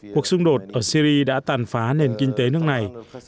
cuộc xung đột ở syri đã tàn phá nền kinh tế nước này